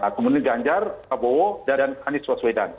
kemudian ganjar pak prabowo dan anies baswedan